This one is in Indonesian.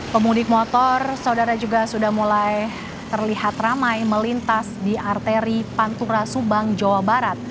pemudik motor saudara juga sudah mulai terlihat ramai melintas di arteri pantura subang jawa barat